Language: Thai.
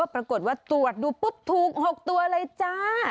ปรากฏว่าตรวจดูปุ๊บถูก๖ตัวเลยจ้า